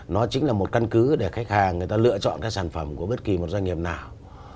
nó chính là một căn cứ để khách hàng người ta lựa chọn cái sản phẩm của bất kỳ một doanh nghiệp nào